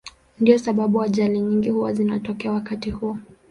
Ndiyo sababu ajali nyingi huwa zinatokea wakati huo.